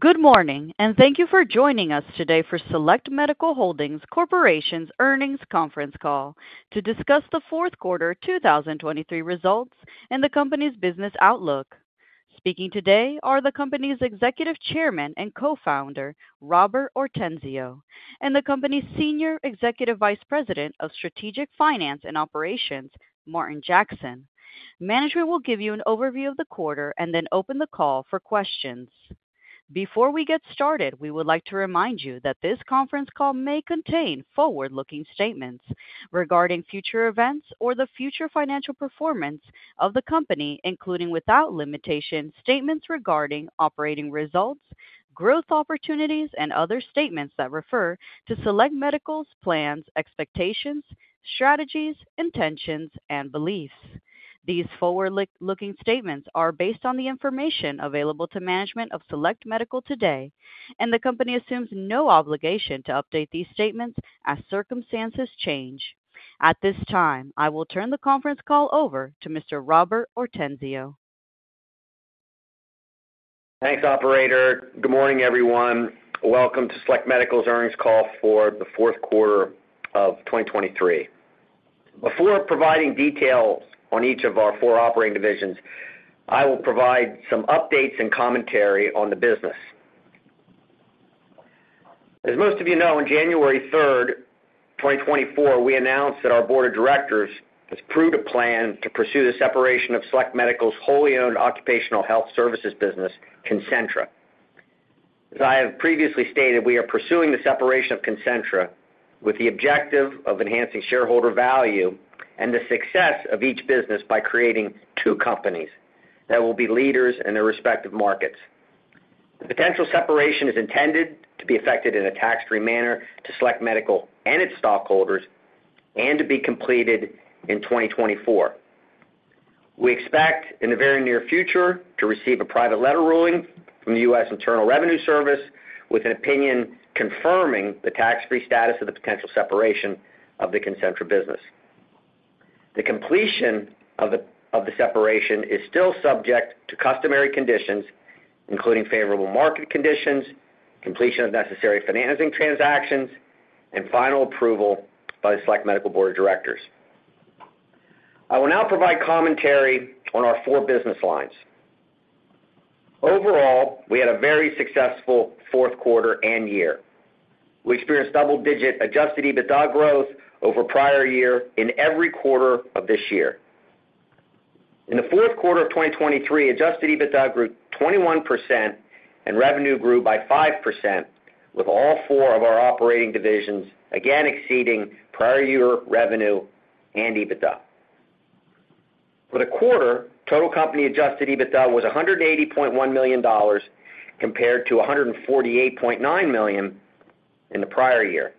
Good morning, and thank you for joining us today for Select Medical Holdings Corporation's earnings conference call to discuss the Q4 2023 results and the company's business outlook. Speaking today are the company's Executive Chairman and Co-Founder, Robert Ortenzio, and the company's Senior Executive Vice President of Strategic Finance and Operations, Martin Jackson. Management will give you an overview of the quarter and then open the call for questions. Before we get started, we would like to remind you that this conference call may contain forward-looking statements regarding future events or the future financial performance of the company including without limitation statements regarding operating results, growth opportunities, and other statements that refer to Select Medical's plans, expectations, strategies, intentions, and beliefs. These forward-looking statements are based on the information available to management of Select Medical today, and the company assumes no obligation to update these statements as circumstances change. At this time, I will turn the conference call over to Mr. Robert Ortenzio. Thanks, Operator. Good morning, everyone. Welcome to Select Medical's earnings call for the Q4 of 2023. Before providing details on each of our four operating divisions, I will provide some updates and commentary on the business. As most of you know, on January 3, 2024, we announced that our board of directors has approved a plan to pursue the separation of Select Medical's wholly-owned occupational health services business, Concentra. As I have previously stated, we are pursuing the separation of Concentra with the objective of enhancing shareholder value and the success of each business by creating two companies that will be leaders in their respective markets. The potential separation is intended to be effected in a tax-free manner to Select Medical and its stockholders, and to be completed in 2024. We expect in the very near future to receive a private letter ruling from the U.S. Internal Revenue Service with an opinion confirming the tax-free status of the potential separation of the Concentra business. The completion of the separation is still subject to customary conditions including favorable market conditions, completion of necessary financing transactions, and final approval by the Select Medical board of directors. I will now provide commentary on our four business lines. Overall, we had a very successful Q4 and year. We experienced double-digit adjusted EBITDA growth over prior year in every quarter of this year. In the Q4 of 2023, adjusted EBITDA grew 21%, and revenue grew by 5%, with all four of our operating divisions again exceeding prior year revenue and EBITDA. For the quarter, total company adjusted EBITDA was $180.1 million compared to $148.9 million in the prior year.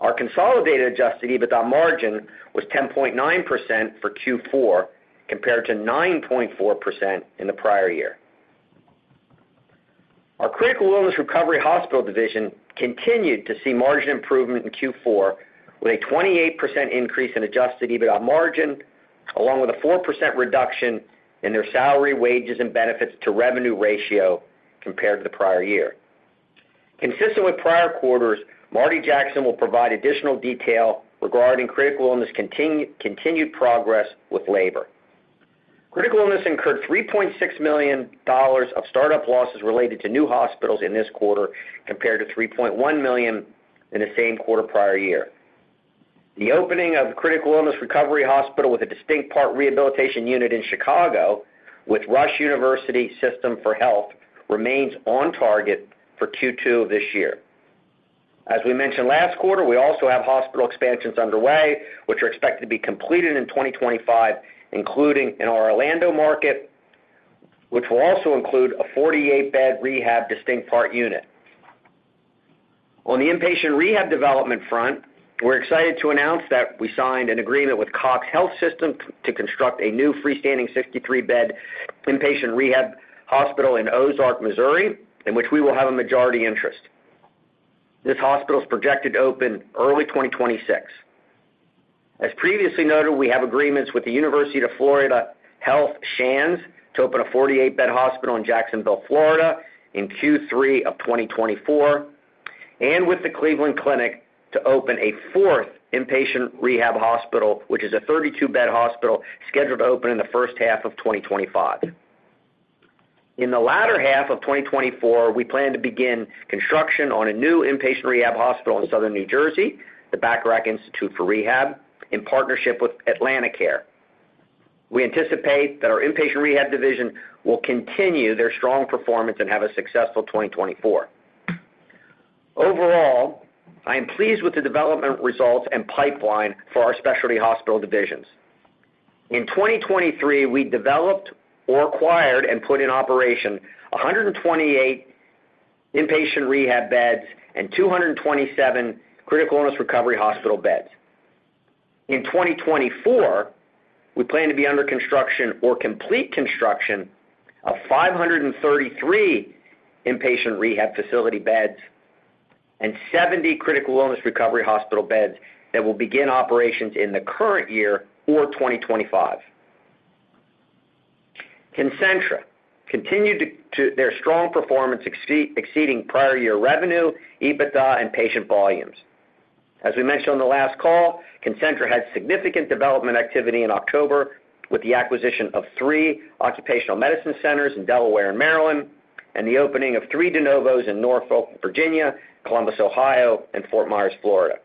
Our consolidated adjusted EBITDA margin was 10.9% for Q4 compared to 9.4% in the prior year. Our Critical Illness Recovery Hospital division continued to see margin improvement in Q4 with a 28% increase in adjusted EBITDA margin, along with a 4% reduction in their salary, wages, and benefits to revenue ratio compared to the prior year. Consistent with prior quarters, Marty Jackson will provide additional detail regarding critical illness continued progress with labor. Critical illness incurred $3.6 million of startup losses related to new hospitals in this quarter compared to $3.1 million in the same quarter prior year. The opening of critical illness recovery hospital with a distinct part rehabilitation unit in Chicago with Rush University System for Health remains on target for Q2 of this year. As we mentioned last quarter, we also have hospital expansions underway which are expected to be completed in 2025 including in our Orlando market, which will also include a 48-bed rehab distinct part unit. On the inpatient rehab development front, we're excited to announce that we signed an agreement with CoxHealth to construct a new freestanding 63-bed inpatient rehab hospital in Ozark, Missouri, in which we will have a majority interest. This hospital is projected to open early 2026. As previously noted, we have agreements with UF Health Shands to open a 48-bed hospital in Jacksonville, Florida in Q3 of 2024, and with the Cleveland Clinic to open a fourth inpatient rehab hospital which is a 32-bed hospital scheduled to open in the first half of 2025. In the latter half of 2024, we plan to begin construction on a new inpatient rehab hospital in Southern New Jersey, the Bacharach Institute for Rehabilitation, in partnership with AtlantiCare. We anticipate that our inpatient rehab division will continue their strong performance and have a successful 2024. Overall, I am pleased with the development results and pipeline for our specialty hospital divisions. In 2023, we developed, acquired, and put in operation 128 inpatient rehab beds and 227 critical illness recovery hospital beds. In 2024, we plan to be under construction or complete construction of 533 inpatient rehab facility beds and 70 critical illness recovery hospital beds that will begin operations in the current year or 2025. Concentra continued to their strong performance exceeding prior year revenue, EBITDA, and patient volumes. As we mentioned on the last call, Concentra had significant development activity in October with the acquisition of three occupational medicine centers in Delaware and Maryland, and the opening of three De Novos in Norfolk, Virginia, Columbus, Ohio, and Fort Myers, Florida.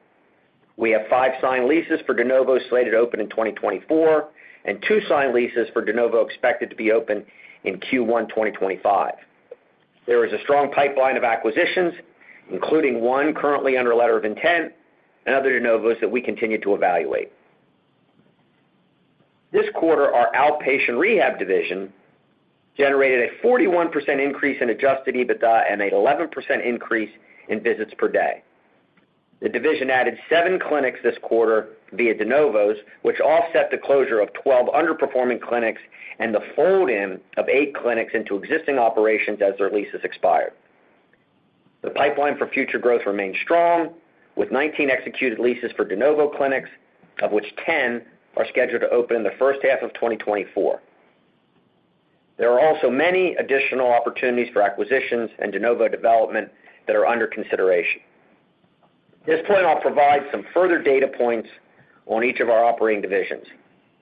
We have five signed leases for De Novos slated to open in 2024, and two signed leases for De Novos expected to be open in Q1 2025. There is a strong pipeline of acquisitions including one currently under letter of intent and other De Novos that we continue to evaluate. This quarter, our outpatient rehab division generated a 41% increase in adjusted EBITDA and an 11% increase in visits per day. The division added seven clinics this quarter via De Novos which offset the closure of 12 underperforming clinics and the fold-in of eight clinics into existing operations as their leases expired. The pipeline for future growth remains strong with 19 executed leases for De Novos clinics of which 10 are scheduled to open in the first half of 2024. There are also many additional opportunities for acquisitions and De Novos development that are under consideration. At this point, I'll provide some further data points on each of our operating divisions.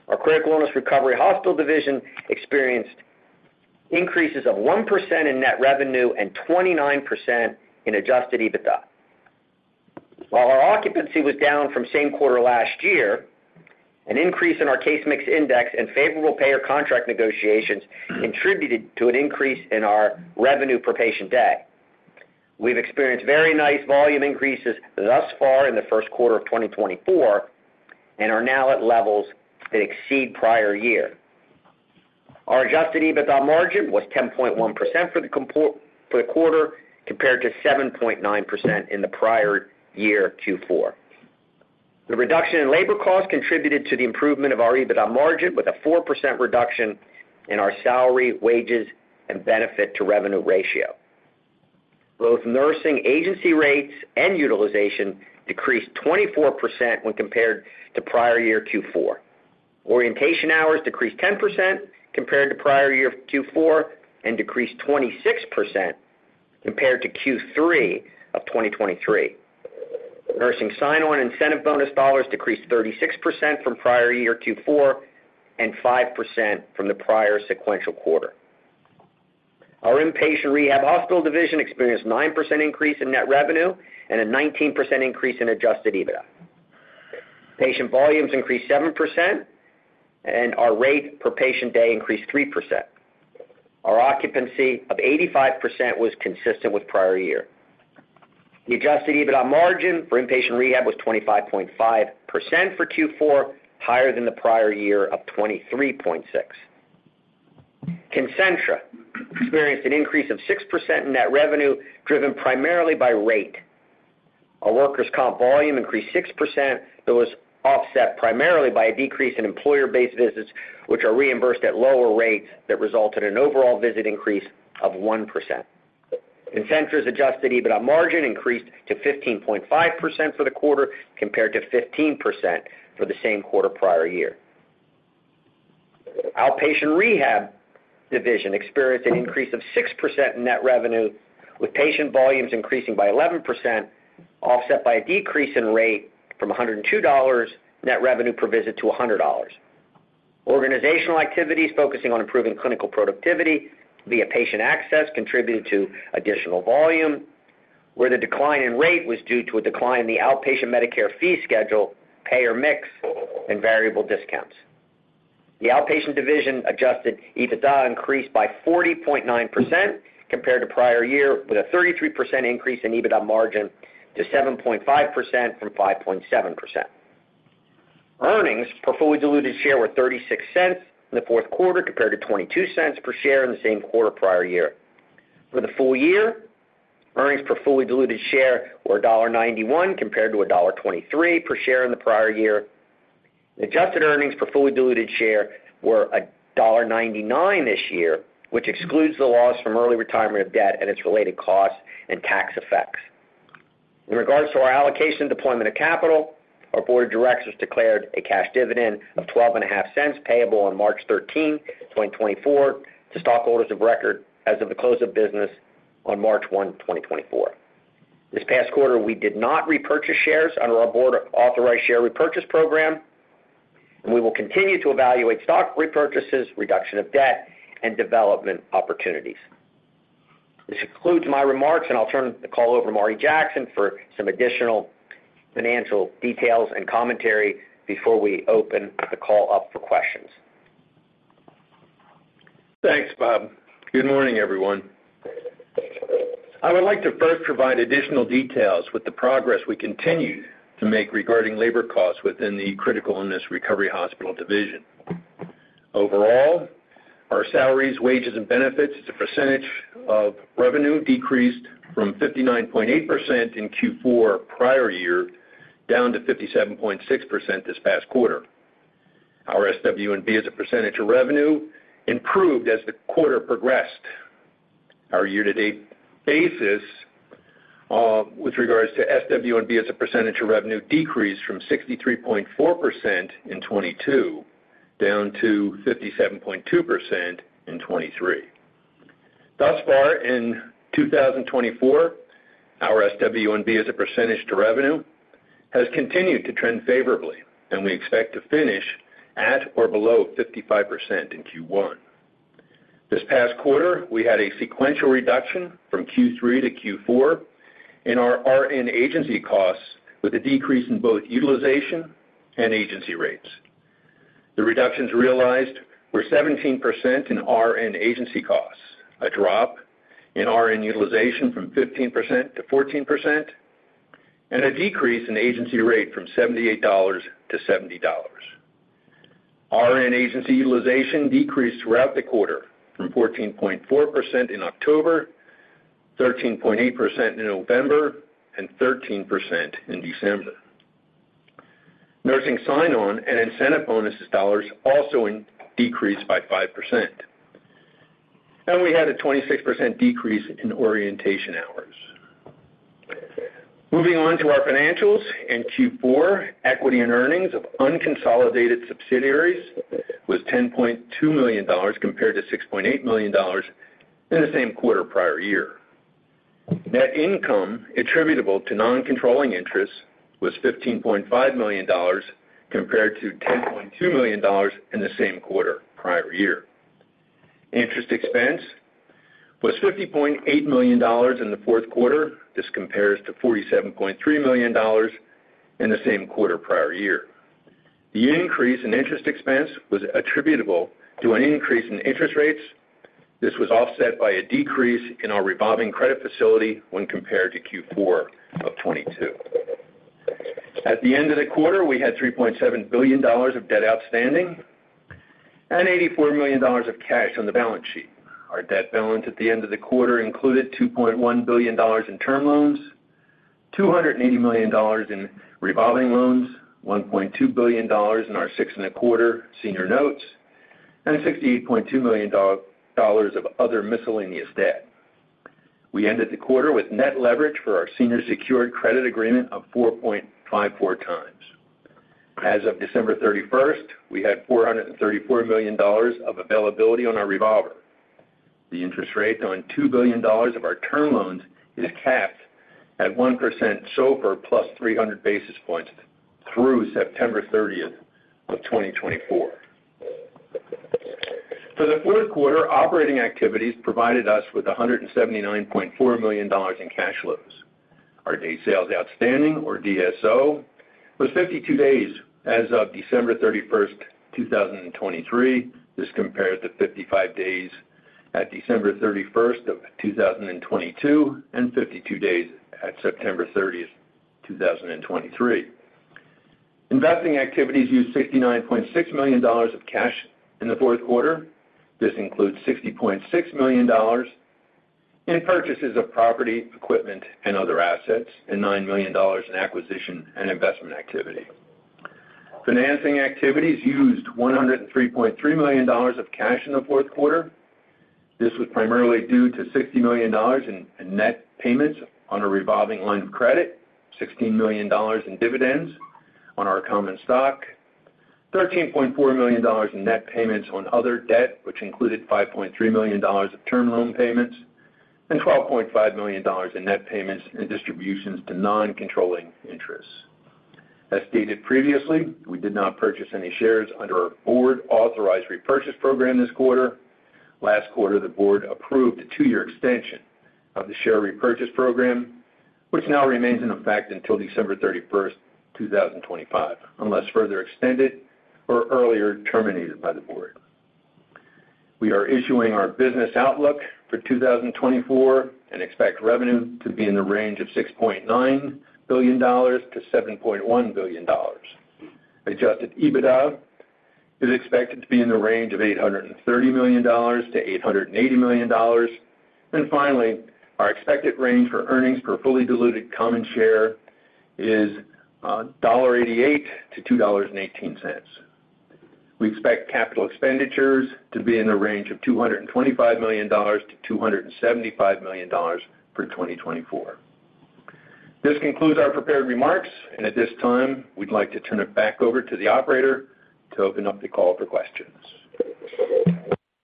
Our critical illness recovery hospital division experienced increases of 1% in net revenue and 29% in adjusted EBITDA. While our occupancy was down from same quarter last year, an increase in our case mix index and favorable payer contract negotiations contributed to an increase in our revenue per patient day. We've experienced very nice volume increases thus far in the Q1 of 2024 and are now at levels that exceed prior year. Our adjusted EBITDA margin was 10.1% for the quarter compared to 7.9% in the prior year Q4. The reduction in labor costs contributed to the improvement of our EBITDA margin with a 4% reduction in our salaries, wages, and benefits to revenue ratio. Both nursing agency rates and utilization decreased 24% when compared to prior year Q4. Orientation hours decreased 10% compared to prior year Q4 and decreased 26% compared to Q3 of 2023. Nursing sign-on incentive bonus dollars decreased 36% from prior year Q4 and 5% from the prior sequential quarter. Our inpatient rehab hospital division experienced 9% increase in net revenue and a 19% increase in adjusted EBITDA. Patient volumes increased 7% and our rate per patient day increased 3%. Our occupancy of 85% was consistent with prior year. The adjusted EBITDA margin for inpatient rehab was 25.5% for Q4, higher than the prior year of 23.6%. Concentra experienced an increase of 6% in net revenue driven primarily by rate. Our workers' comp volume increased 6% but was offset primarily by a decrease in employer-based visits which are reimbursed at lower rates that resulted in an overall visit increase of 1%. Concentra's adjusted EBITDA margin increased to 15.5% for the quarter compared to 15% for the same quarter prior year. Outpatient rehab division experienced an increase of 6% in net revenue with patient volumes increasing by 11% offset by a decrease in rate from $102 net revenue per visit to $100. Organizational activities focusing on improving clinical productivity via patient access contributed to additional volume where the decline in rate was due to a decline in the outpatient Medicare fee schedule, payer mix, and variable discounts. The outpatient division adjusted EBITDA increased by 40.9% compared to prior year with a 33% increase in EBITDA margin to 7.5% from 5.7%. Earnings per fully diluted share were $0.36 in the Q4 compared to $0.22 per share in the same quarter prior year. For the full year, earnings per fully diluted share were $1.91 compared to $1.23 per share in the prior year. adjusted earnings per fully diluted share were $1.99 this year, which excludes the loss from early retirement of debt and its related costs and tax effects. In regards to our allocation and deployment of capital, our board of directors declared a cash dividend of $0.125 payable on 13 March 2024 to stockholders of record as of the close of business on 1 March 2024. This past quarter, we did not repurchase shares under our board authorized share repurchase program, and we will continue to evaluate stock repurchases, reduction of debt, and development opportunities. This concludes my remarks, and I'll turn the call over to Marty Jackson for some additional financial details and commentary before we open the call up for questions. Thanks, Bob. Good morning, everyone. I would like to first provide additional details with the progress we continue to make regarding labor costs within the critical illness recovery hospital division. Overall, our salaries, wages, and benefits as a percentage of revenue decreased from 59.8% in Q4 prior year down to 57.6% this past quarter. Our SW&B as a percentage of revenue improved as the quarter progressed. Our year-to-date basis with regards to SW&B as a percentage of revenue decreased from 63.4% in 2022 down to 57.2% in 2023. Thus far, in 2024, our SW&B as a percentage to revenue has continued to trend favorably, and we expect to finish at or below 55% in Q1. This past quarter, we had a sequential reduction from Q3-Q4 in our RN agency costs with a decrease in both utilization and agency rates. The reductions realized were 17% in RN agency costs, a drop in RN utilization from 15%-14%, and a decrease in agency rate from $78-$70. RN agency utilization decreased throughout the quarter from 14.4% in October, 13.8% in November, and 13% in December. Nursing sign-on and incentive bonuses dollars also decreased by 5%, and we had a 26% decrease in orientation hours. Moving on to our financials in Q4, equity and earnings of unconsolidated subsidiaries was $10.2 million compared to $6.8 million in the same quarter prior year. Net income attributable to non-controlling interests was $15.5 million compared to $10.2 million in the same quarter prior year. Interest expense was $50.8 million in the Q4. This compares to $47.3 million in the same quarter prior year. The increase in interest expense was attributable to an increase in interest rates. This was offset by a decrease in our revolving credit facility when compared to Q4 of 2022. At the end of the quarter, we had $3.7 billion of debt outstanding and $84 million of cash on the balance sheet. Our debt balance at the end of the quarter included $2.1 billion in term loans, $280 million in revolving loans, $1.2 billion in our 6.25 senior notes, and $68.2 million of other miscellaneous debt. We ended the quarter with net leverage for our senior secured credit agreement of 4.54x. As of 31 December 2023, we had $434 million of availability on our revolver. The interest rate on $2 billion of our term loans is capped at 1% SOFR plus 300 basis points through 30 September 2024. For the Q4, operating activities provided us with $179.4 million in cash flows. Our day sales outstanding or DSO was 52 days as of 31 December 2023. This compared to 55 days at 31 December 2022 and 52 days at 30 September 2023. Investing activities used $69.6 million of cash in the Q4. This includes $60.6 million in purchases of property, equipment, and other assets and $9 million in acquisition and investment activity. Financing activities used $103.3 million of cash in the Q4. This was primarily due to $60 million in net payments on a revolving line of credit, $16 million in dividends on our common stock, $13.4 million in net payments on other debt which included $5.3 million of term loan payments, and $12.5 million in net payments and distributions to non-controlling interests. As stated previously, we did not purchase any shares under our board authorized repurchase program this quarter. Last quarter, the board approved a 2-year extension of the share repurchase program which now remains in effect until 31 December 2025 unless further extended or earlier terminated by the board. We are issuing our business outlook for 2024 and expect revenue to be in the range of $6.9 billion-$7.1 billion. Adjusted EBITDA is expected to be in the range of $830 million-$880 million. And finally, our expected range for earnings per fully diluted common share is $1.88-$2.18. We expect capital expenditures to be in the range of $225 million-$275 million for 2024. This concludes our prepared remarks, and at this time, we'd like to turn it back over to the Operator to open up the call for questions.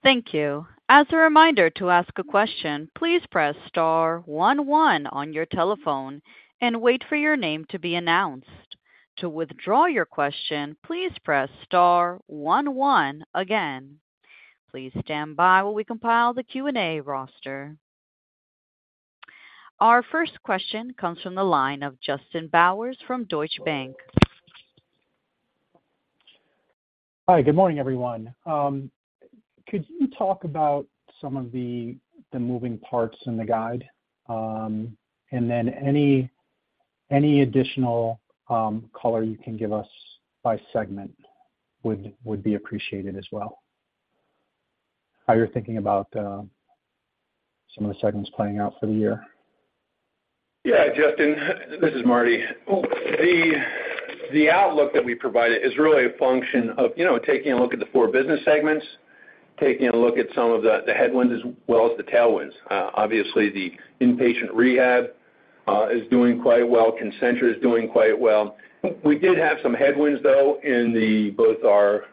Thank you. As a reminder to ask a question, please press star one one on your telephone and wait for your name to be announced. To withdraw your question, please press star one one again. Please stand by while we compile the Q&A roster. Our first question comes from the line of Justin Bowers from Deutsche Bank. Hi. Good morning, everyone. Could you talk about some of the moving parts in the guide, and then any additional color you can give us by segment would be appreciated as well? How you're thinking about some of the segments playing out for the year. Yeah, Justin. This is Marty. The outlook that we provided is really a function of, you know, taking a look at the four business segments, taking a look at some of the headwinds as well as the tailwinds. Obviously, the inpatient rehab is doing quite well. Concentra is doing quite well. We did have some headwinds, though, in both our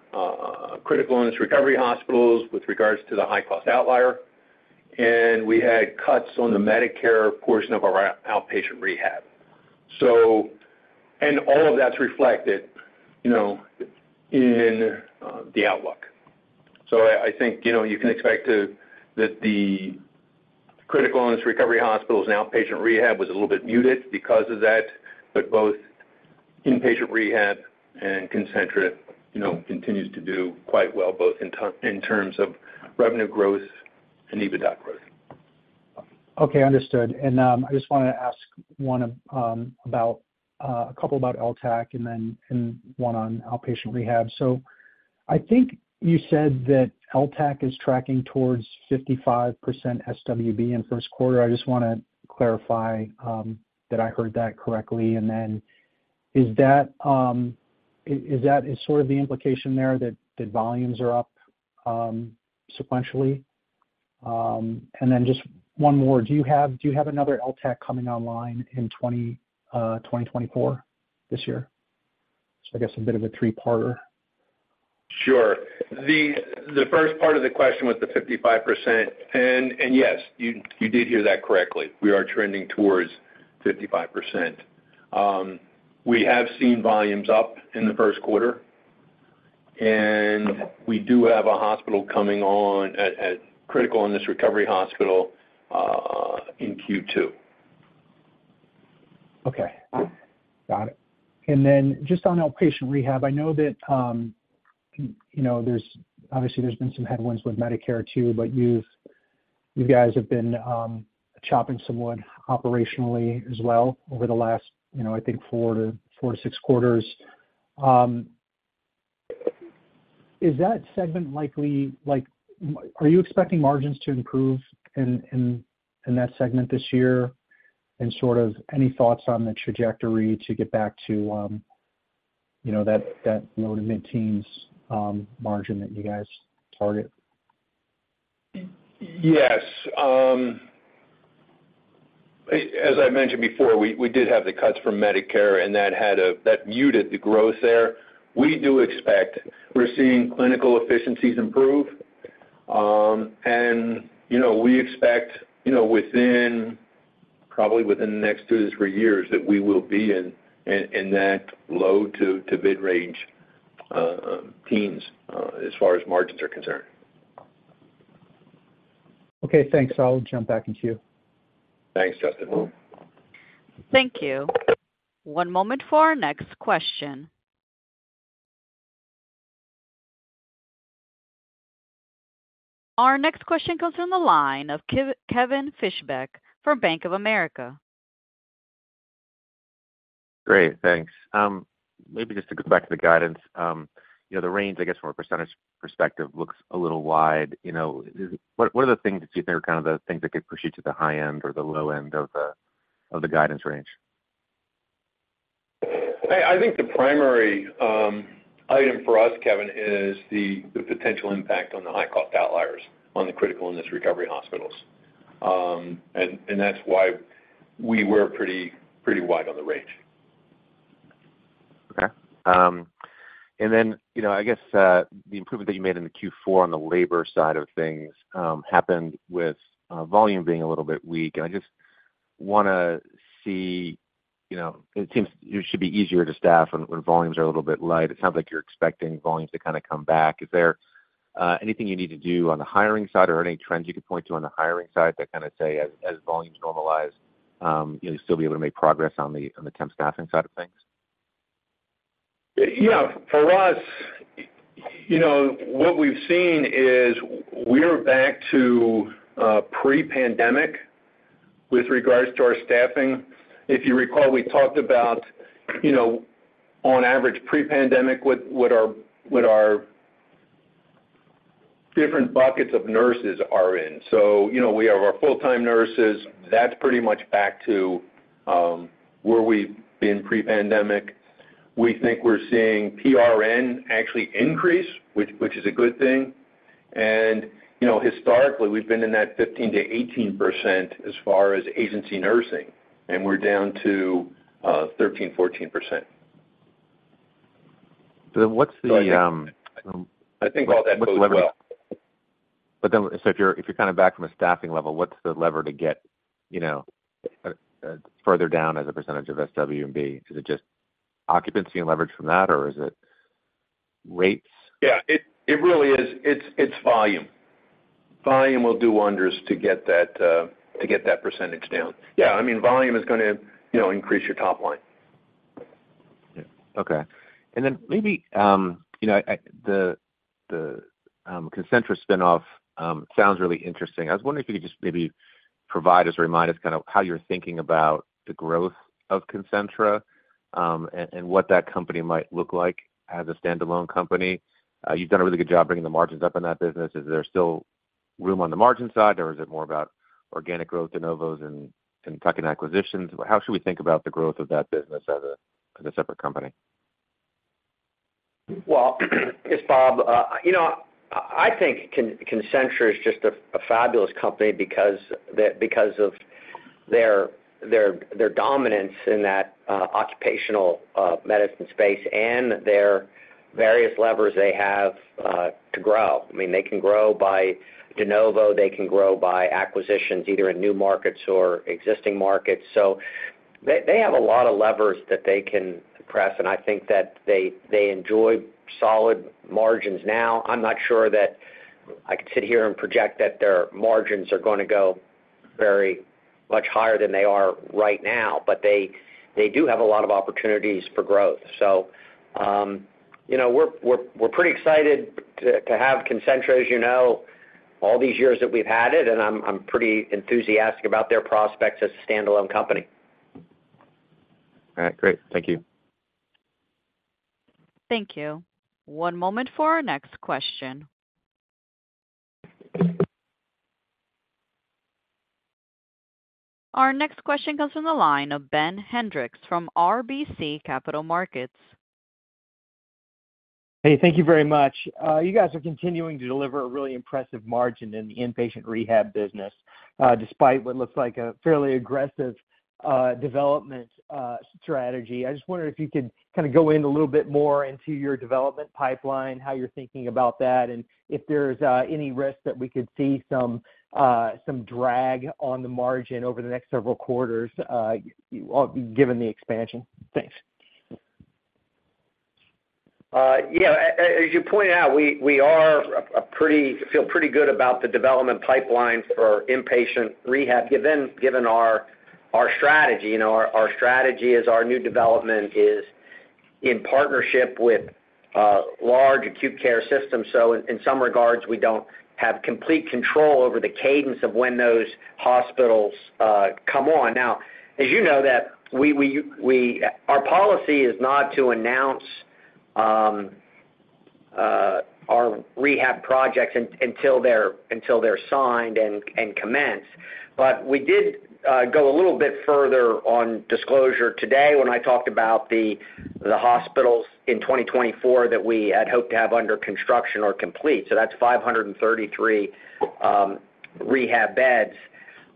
critical illness recovery hospitals with regards to the high-cost outlier, and we had cuts on the Medicare portion of our outpatient rehab. So and all of that's reflected, you know, in the outlook. So I think, you know, you can expect to that the critical illness recovery hospitals and outpatient rehab was a little bit muted because of that, but both inpatient rehab and Concentra, you know, continues to do quite well both in terms of revenue growth and EBITDA growth. Okay. Understood. I just wanted to ask a couple about LTAC and then one on outpatient rehab. So I think you said that LTAC is tracking towards 55% SW&B in Q1. I just want to clarify that I heard that correctly. And then is that sort of the implication there that volumes are up sequentially? And then just one more. Do you have another LTAC coming online in 2024 this year? So I guess a bit of a three-parter. Sure. The first part of the question was the 55%. And yes, you did hear that correctly. We are trending towards 55%. We have seen volumes up in the Q1, and we do have a hospital coming on at critical illness recovery hospital in Q2. Okay. Got it. And then just on outpatient rehab, I know that, you know, there's obviously, there's been some headwinds with Medicare too, but you guys have been chopping some wood operationally as well over the last, you know, I think, four to six quarters. Is that segment likely like, are you expecting margins to improve in that segment this year and sort of any thoughts on the trajectory to get back to, you know, that low to mid-teens margin that you guys target? Yes. As I mentioned before, we did have the cuts from Medicare, and that muted the growth there. We do expect we're seeing clinical efficiencies improve. And, you know, we expect, you know, within probably the next two to three years that we will be in that low-to-mid-teens, as far as margins are concerned. Okay. Thanks. I'll jump back in the queue. Thanks, Justin. Thank you. One moment for our next question. Our next question comes from the line of Kevin Fischbeck from Bank of America. Great. Thanks. Maybe just to go back to the guidance, you know, the range, I guess, from a percentage perspective looks a little wide. You know, is what, what are the things that you think are kind of the things that could push you to the high end or the low end of the of the guidance range? I think the primary item for us, Kevin, is the potential impact on the high-cost outliers on the critical illness recovery hospitals. That's why we were pretty wide on the range. Okay. And then, you know, I guess, the improvement that you made in the Q4 on the labor side of things happened with volume being a little bit weak. And I just want to see, you know, it seems it should be easier to staff when volumes are a little bit light. It sounds like you're expecting volumes to kind of come back. Is there anything you need to do on the hiring side or any trends you could point to on the hiring side that kind of say, as volumes normalize, you know, you'll still be able to make progress on the temp staffing side of things? Yeah. You know, what we've seen is we're back to pre-pandemic with regards to our staffing. If you recall, we talked about, you know, on average, pre-pandemic, what our different buckets of nurses are in. You know, we have our full-time nurses. That's pretty much back to where we've been pre-pandemic. We think we're seeing PRN actually increase, which is a good thing. You know, historically, we've been in that 15%-18% as far as agency nursing, and we're down to 13%-14%. So if you're kind of back from a staffing level, what's the lever to get, you know, further down as a percentage of SW&B? Is it just occupancy and leverage from that, or is it rates? Yeah. It really is. It's volume. Volume will do wonders to get that percentage down. Yeah. I mean, volume is going to, you know, increase your top line. Yeah. Okay. And then maybe, you know, the Concentra spinoff sounds really interesting. I was wondering if you could just maybe provide us or remind us kind of how you're thinking about the growth of Concentra, and what that company might look like as a standalone company. You've done a really good job bringing the margins up in that business. Is there still room on the margin side, or is it more about organic growth, De Novos, and Tucking acquisitions? How should we think about the growth of that business as a separate company? Well, it's, Bob. You know, I think Concentra is just a fabulous company because of their dominance in that occupational medicine space and their various levers they have to grow. I mean, they can grow by De Novos. They can grow by acquisitions either in new markets or existing markets. So they have a lot of levers that they can press, and I think that they enjoy solid margins now. I'm not sure that I could sit here and project that their margins are going to go very much higher than they are right now, but they do have a lot of opportunities for growth. So, you know, we're pretty excited to have Concentra, as you know, all these years that we've had it, and I'm pretty enthusiastic about their prospects as a standalone company. All right. Great. Thank you. Thank you. One moment for our next question. Our next question comes from the line of Ben Hendrix from RBC Capital Markets. Hey. Thank you very much. You guys are continuing to deliver a really impressive margin in the inpatient rehab business, despite what looks like a fairly aggressive development strategy. I just wondered if you could kind of go in a little bit more into your development pipeline, how you're thinking about that, and if there's any risks that we could see some drag on the margin over the next several quarters, you all given the expansion. Thanks. Yeah. As you point out, we feel pretty good about the development pipeline for inpatient rehab given our strategy. You know, our strategy is our new development is in partnership with large acute care systems. So in some regards, we don't have complete control over the cadence of when those hospitals come on. Now, as you know, our policy is not to announce our rehab projects until they're signed and commence. But we did go a little bit further on disclosure today when I talked about the hospitals in 2024 that we had hoped to have under construction or complete. So that's 533 rehab beds,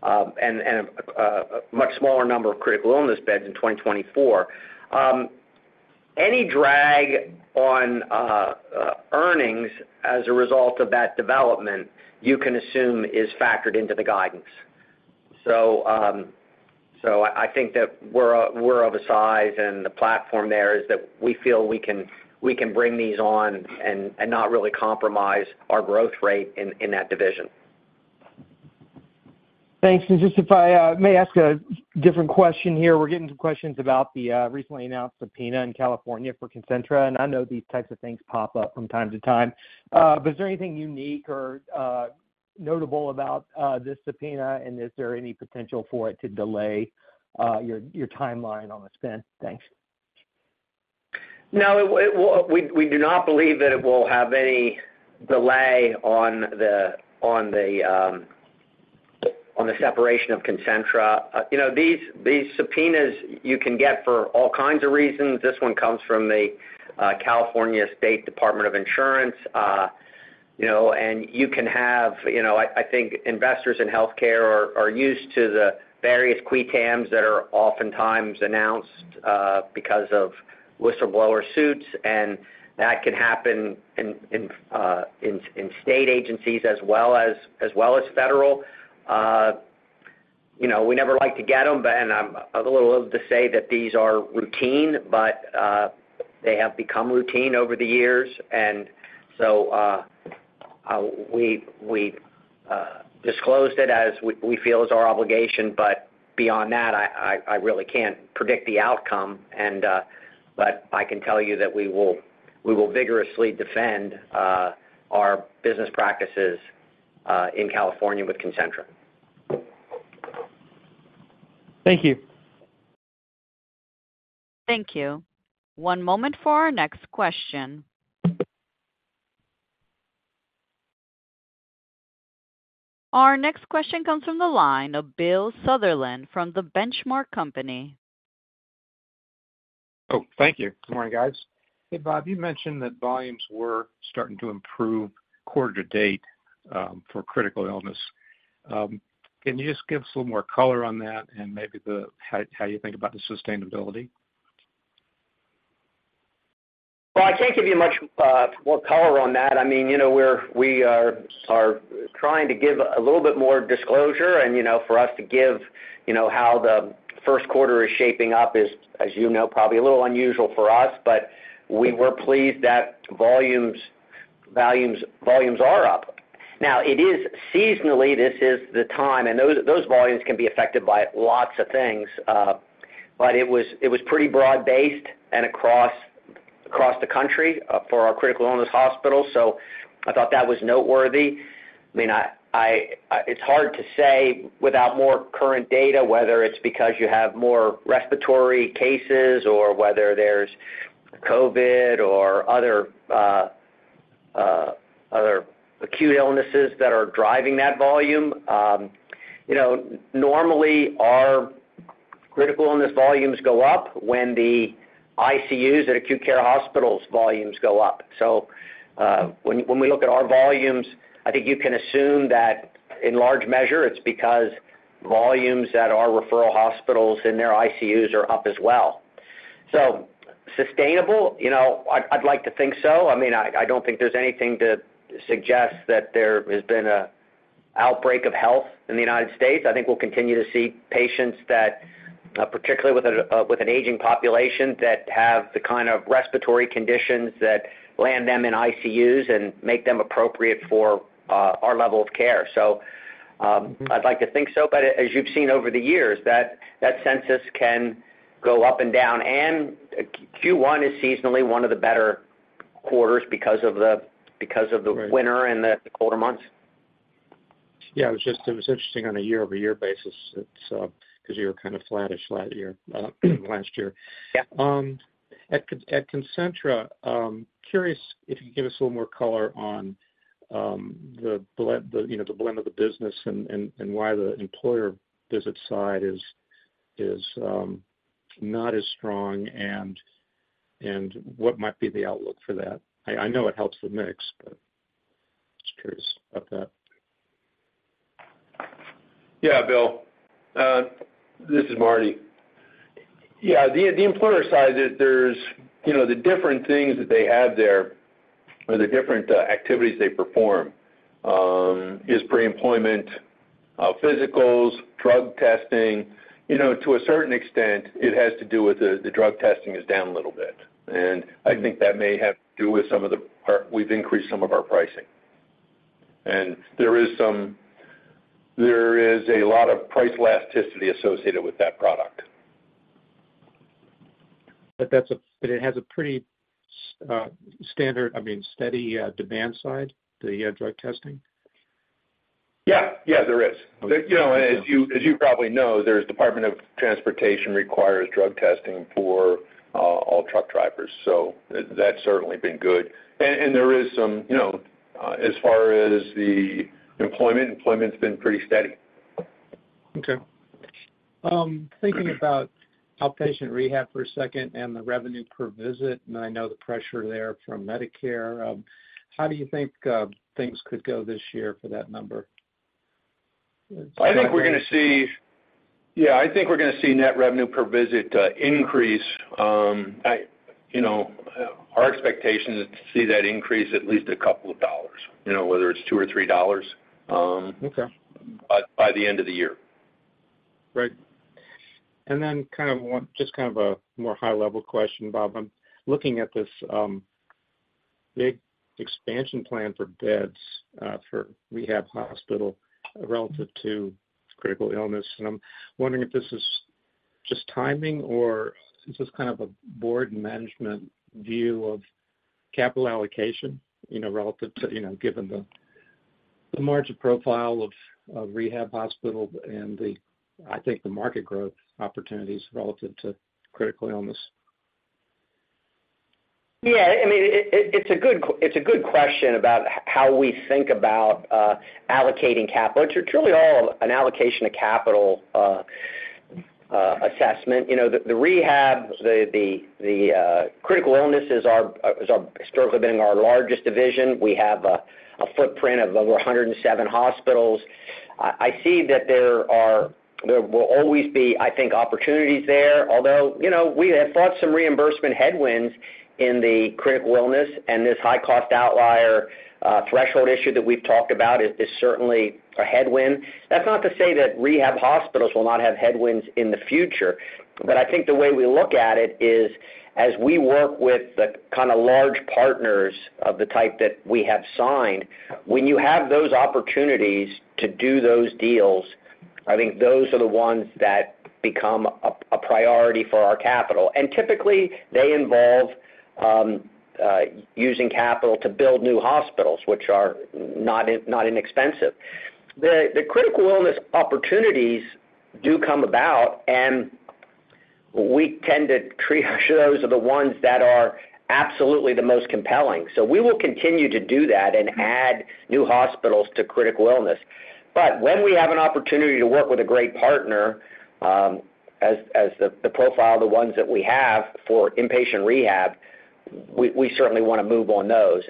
and a much smaller number of critical illness beds in 2024. Any drag on earnings as a result of that development, you can assume, is factored into the guidance. So I think that we're of a size, and the platform there is that we feel we can bring these on and not really compromise our growth rate in that division. Thanks. And just if I may ask a different question here. We're getting some questions about the recently announced subpoena in California for Concentra, and I know these types of things pop up from time to time. But is there anything unique or notable about this subpoena, and is there any potential for it to delay your timeline on the spinoff? Thanks. No. Well, we do not believe that it will have any delay on the separation of Concentra. You know, these subpoenas, you can get for all kinds of reasons. This one comes from the California Department of Insurance, you know, and you can have, you know, I think investors in healthcare are used to the various qui tam that are oftentimes announced, because of whistleblower suits. And that can happen in state agencies as well as federal. You know, we never like to get them, but, and I'm a little loath to say that these are routine, but they have become routine over the years. And so, we disclosed it as we feel is our obligation. But beyond that, I really can't predict the outcome. But I can tell you that we will vigorously defend our business practices in California with Concentra. Thank you. Thank you. One moment for our next question. Our next question comes from the line of Bill Sutherland from The Benchmark Company. Oh. Thank you. Good morning, guys. Hey, Bob. You mentioned that volumes were starting to improve quarter to date, for critical illness. Can you just give us a little more color on that and maybe the how, how you think about the sustainability? Well, I can't give you much more color on that. I mean, you know, we are trying to give a little bit more disclosure. You know, for us to give, you know, how the Q1 is shaping up is, as you know, probably a little unusual for us. But we were pleased that volumes are up. Now, it is seasonally. This is the time. And those volumes can be affected by lots of things, but it was pretty broad-based and across the country, for our critical illness hospitals. So I thought that was noteworthy. I mean, it's hard to say without more current data whether it's because you have more respiratory cases or whether there's COVID or other acute illnesses that are driving that volume. You know, normally, our critical illness volumes go up when the ICUs at acute care hospitals' volumes go up. So, when we look at our volumes, I think you can assume that in large measure, it's because volumes at our referral hospitals and their ICUs are up as well. So sustainable? You know, I, I'd like to think so. I mean, I don't think there's anything to suggest that there has been an outbreak of health in the United States. I think we'll continue to see patients that, particularly with an aging population that have the kind of respiratory conditions that land them in ICUs and make them appropriate for our level of care. So, I'd like to think so. But as you've seen over the years, that census can go up and down. Q1 is seasonally one of the better quarters because of the winter and the colder months. Yeah. It was just interesting on a year-over-year basis. It's, 'cause you were kind of flat-ish last year, last year. Yeah. At Concentra, curious if you could give us a little more color on the blend of the business and why the employer visit side is not as strong and what might be the outlook for that. I know it helps the mix, but just curious about that. Yeah, Bill. This is Marty. Yeah. The employer side, there's you know, the different things that they have there or the different activities they perform, is pre-employment physicals, drug testing. You know, to a certain extent, it has to do with the drug testing is down a little bit. And I think that may have to do with some of the part we've increased some of our pricing. And there is a lot of price elasticity associated with that product. But it has a pretty standard, I mean, steady demand side, the drug testing? Yeah. Yeah. There is. Okay. You know, as you probably know, the Department of Transportation requires drug testing for all truck drivers. So that's certainly been good. And there is some, you know, as far as the employment's been pretty steady. Okay. Thinking about outpatient rehab for a second and the revenue per visit, and I know the pressure there from Medicare, how do you think things could go this year for that number? I think we're going to see net revenue per visit increase. I, you know, our expectation is to see that increase at least a couple of dollars, you know, whether it's $2 or $3 by the end of the year. Right. And then kind of one just kind of a more high-level question, Bob. I'm looking at this big expansion plan for beds for rehab hospital relative to critical illness. And I'm wondering if this is just timing, or is this kind of a board management view of capital allocation, you know, relative to you know, given the margin profile of rehab hospital and the I think the market growth opportunities relative to critical illness? Yeah. I mean, it's a good question about how we think about allocating capital. It's truly all an allocation of capital assessment. You know, the rehab, the critical illness has historically been our largest division. We have a footprint of over 107 hospitals. I see that there will always be, I think, opportunities there, although, you know, we have fought some reimbursement headwinds in the critical illness. And this high-cost outlier threshold issue that we've talked about is certainly a headwind. That's not to say that rehab hospitals will not have headwinds in the future. But I think the way we look at it is, as we work with the kind of large partners of the type that we have signed, when you have those opportunities to do those deals, I think those are the ones that become a priority for our capital. And typically, they involve using capital to build new hospitals, which are not inexpensive. The critical illness opportunities do come about, and we tend to treat those as the ones that are absolutely the most compelling. So we will continue to do that and add new hospitals to critical illness. But when we have an opportunity to work with a great partner, as the profile of the ones that we have for inpatient rehab, we certainly want to move on those.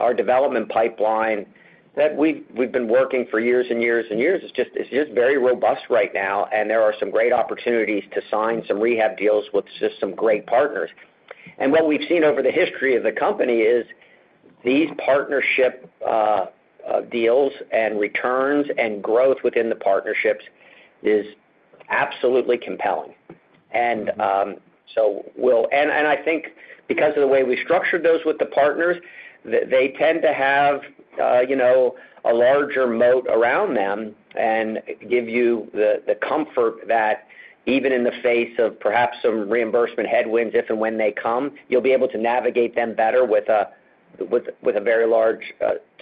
Our development pipeline that we've been working for years and years and years is just, it's just very robust right now. And there are some great opportunities to sign some rehab deals with just some great partners. And what we've seen over the history of the company is these partnership deals and returns and growth within the partnerships is absolutely compelling. And so we'll, and I think because of the way we structured those with the partners, they tend to have, you know, a larger moat around them and give you the comfort that even in the face of perhaps some reimbursement headwinds, if and when they come, you'll be able to navigate them better with a, with a very large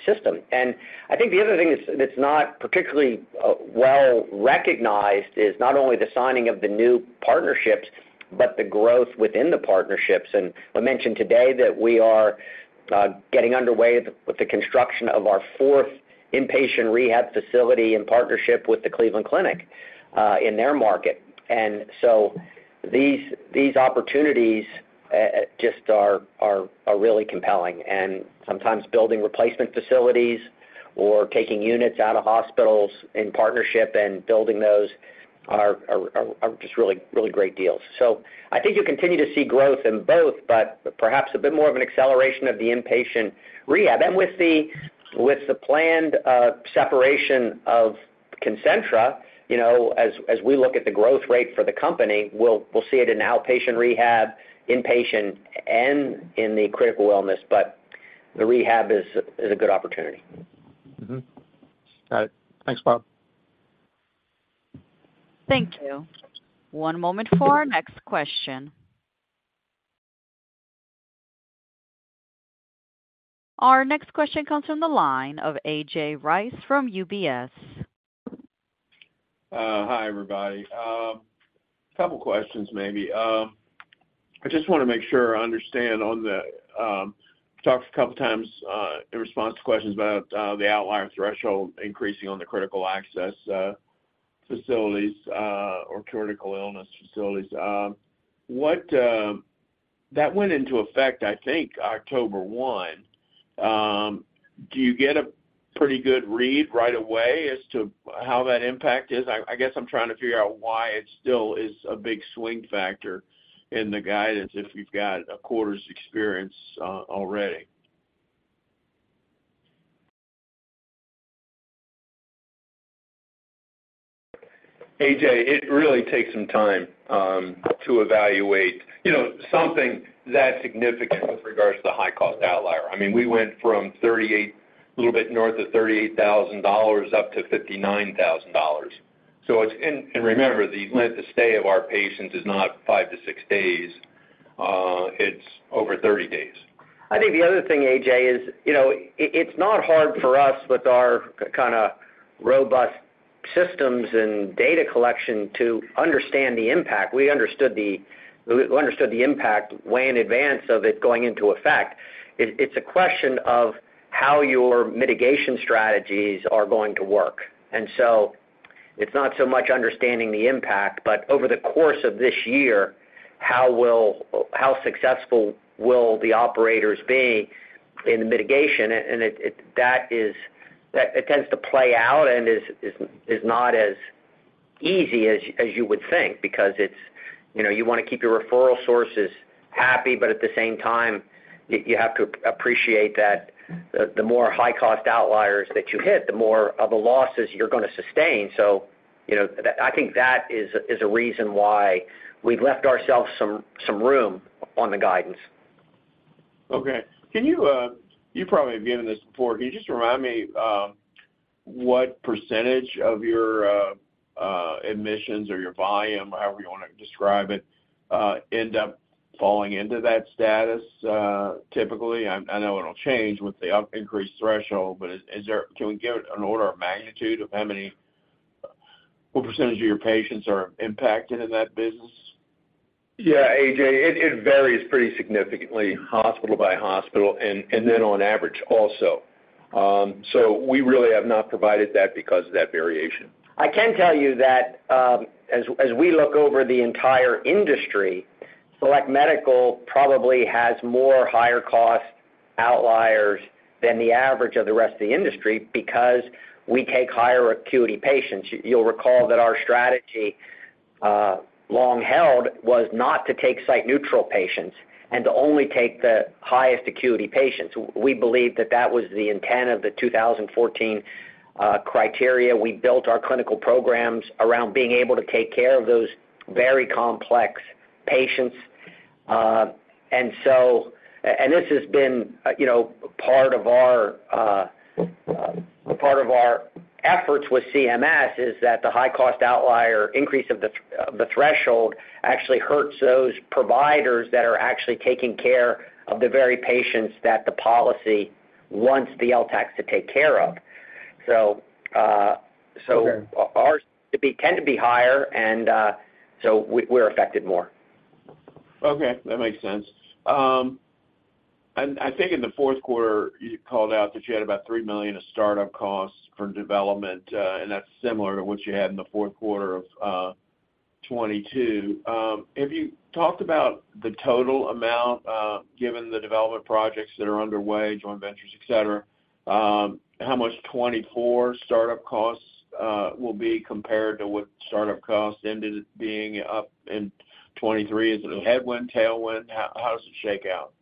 system. I think the other thing that's not particularly well recognized is not only the signing of the new partnerships but the growth within the partnerships. I mentioned today that we are getting underway with the construction of our fourth inpatient rehab facility in partnership with the Cleveland Clinic, in their market. So these opportunities just are really compelling. Sometimes building replacement facilities or taking units out of hospitals in partnership and building those are just really great deals. So I think you'll continue to see growth in both but perhaps a bit more of an acceleration of the inpatient rehab. With the planned separation of Concentra, you know, as we look at the growth rate for the company, we'll see it in outpatient rehab, inpatient, and in the critical illness. But the rehab is a good opportunity. Got it. Thanks, Bob. Thank you. One moment for our next question. Our next question comes from the line of A.J. Rice from UBS. Hi, everybody. Couple questions, maybe. I just want to make sure I understand on the talked a couple times in response to questions about the outlier threshold increasing on the critical illness facilities or critical illness facilities. What that went into effect, I think, October 1. Do you get a pretty good read right away as to how that impact is? I guess I'm trying to figure out why it still is a big swing factor in the guidance if you've got a quarter's experience already. A.J., it really takes some time to evaluate, you know, something that significant with regards to the high-cost outlier. I mean, we went from a little bit north of $38,000 up to $59,000. So it's, remember, the length of stay of our patients is not 5 days-6 days. It's over 30 days. I think the other thing, A.J., is, you know, it's not hard for us with our kind of robust systems and data collection to understand the impact. We understood the impact way in advance of it going into effect. It's a question of how your mitigation strategies are going to work. And so it's not so much understanding the impact, but over the course of this year, how successful will the operators be in the mitigation? And it tends to play out and is not as easy as you would think because, you know, you want to keep your referral sources happy, but at the same time, you have to appreciate that the more high-cost outliers that you hit, the more of the losses you're going to sustain. So, you know, I think that is a reason why we've left ourselves some room on the guidance. Okay. Can you, you've probably given this before. Can you just remind me, what percentage of your admissions or your volume, however you want to describe it, end up falling into that status, typically? I know it'll change with the increased threshold, but is there, can we give an order of magnitude of how many, what percentage of your patients are impacted in that business? Yeah, A.J. It varies pretty significantly hospital by hospital and then on average also. So we really have not provided that because of that variation. I can tell you that, as we look over the entire industry, Select Medical probably has more higher-cost outliers than the average of the rest of the industry because we take higher acuity patients. You'll recall that our strategy, long-held, was not to take site-neutral patients and to only take the highest acuity patients. We believe that that was the intent of the 2014 criteria. We built our clinical programs around being able to take care of those very complex patients. So this has been, you know, part of our efforts with CMS that the high-cost outlier increase of the threshold actually hurts those providers that are actually taking care of the very patients that the policy wants the LTACs to take care of. So ours tend to be higher, and so we're affected more. Okay. That makes sense. I think in the Q4, you called out that you had about $3 million of startup costs for development, and that's similar to what you had in the Q4 of 2022. Have you talked about the total amount, given the development projects that are underway, joint ventures, etc., How much 2024 startup costs will be compared to what startup costs ended up being up in 2023? Is it a headwind, tailwind? How does it shake out?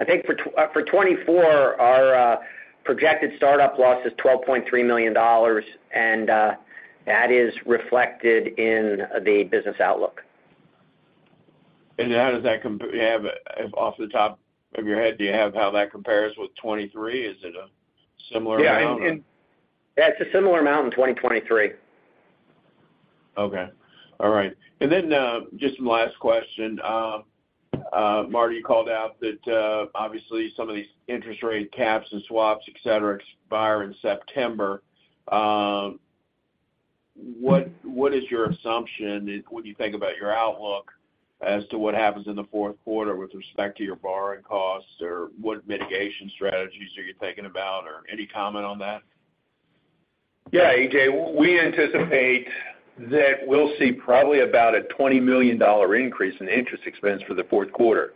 I think for 2024, our projected startup loss is $12.3 million. That is reflected in the business outlook. Do you have, if off the top of your head, do you have how that compares with 2023? Is it a similar amount? Yeah. It's a similar amount in 2023. Okay. All right. And then, just some last question. Marty, you called out that, obviously, some of these interest rate caps and swaps, etc., expire in September. What is your assumption when you think about your outlook as to what happens in the Q4 with respect to your borrowing costs, or what mitigation strategies are you thinking about, or any comment on that? Yeah, A.J. We anticipate that we'll see probably about a $20 million increase in interest expense for the Q4.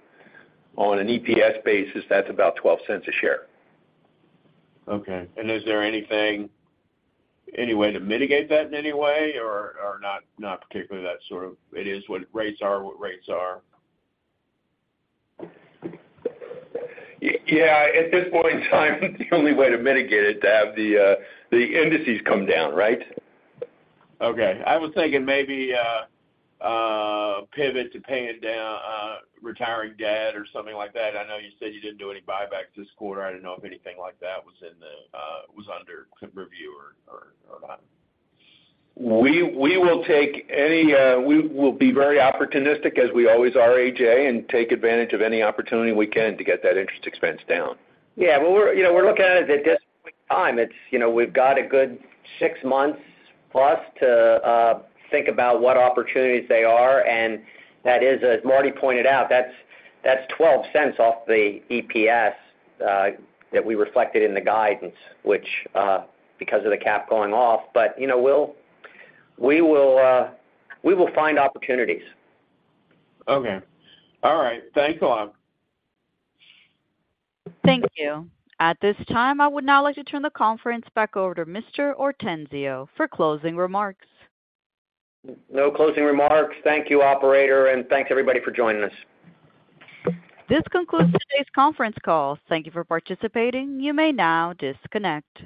On an EPS basis, that's about $0.12 a share. Okay. And is there any way to mitigate that in any way, or not? Not particularly. That sort of it is what rates are? Yeah. At this point in time, the only way to mitigate it is to have the indices come down, right? Okay. I was thinking maybe pivot to paying down, retiring debt or something like that. I know you said you didn't do any buybacks this quarter. I didn't know if anything like that was under review or not. We will be very opportunistic, as we always are, A.J., and take advantage of any opportunity we can to get that interest expense down. Yeah. Well, we're, you know, we're looking at it at this point in time. It's, you know, we've got a good six months plus to think about what opportunities there are. And as Marty pointed out, that's $0.12 off the EPS that we reflected in the guidance, which, because of the cap going off. But, you know, we will find opportunities. Okay. All right. Thanks, Bob. Thank you. At this time, I would now like to turn the conference back over to Mr. Ortenzio for closing remarks. No closing remarks. Thank you, Operator. Thanks, everybody, for joining us. This concludes today's conference call. Thank you for participating. You may now disconnect.